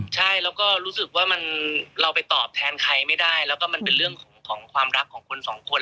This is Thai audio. ใช่แล้วก็รู้สึกว่าเราไปตอบแทนใครไม่ได้แล้วก็มันเป็นเรื่องของความรักของคนสองคน